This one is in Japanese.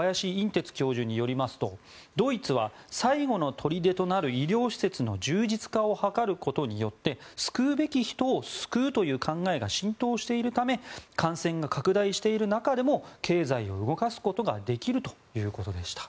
てつ教授によりますとドイツは最後の砦となる医療施設の充実化を図るということで救うべき人を救うという考えが浸透しているため感染が拡大している中でも経済を動かすことができるということでした。